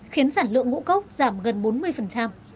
khiến sản lượng ngũ cốc giảm gần bốn mươi